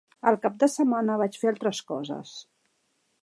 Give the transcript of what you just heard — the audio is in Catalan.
El cap de setmana vaig fer altres coses.